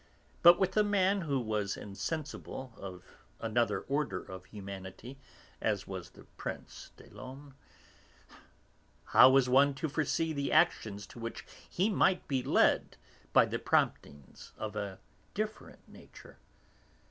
But with a man who was insensible, of another order of humanity, as was the Prince des Laumes, how was one to foresee the actions to which he might be led by the promptings of a different nature?